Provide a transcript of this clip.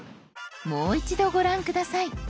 もう一度ご覧下さい。